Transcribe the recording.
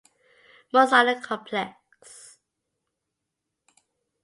Musalla Complex